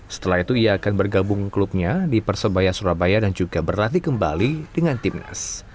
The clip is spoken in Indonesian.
setelah itu ia akan bergabung klubnya di persebaya surabaya dan juga berlatih kembali dengan timnas